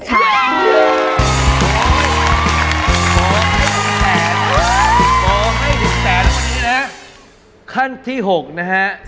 โหไม่ถึงแสนโหไม่ถึงแสนขั้นที่๖นะฮะ